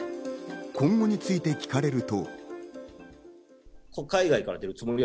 今後について聞かれると。